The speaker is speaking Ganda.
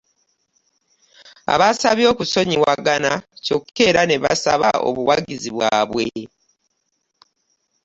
Abasabye okusonyiwagana kyokka era n'abasaba obuwagizi bwabwe.